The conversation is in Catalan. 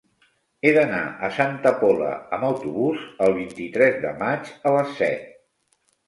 He d'anar a Santa Pola amb autobús el vint-i-tres de maig a les set.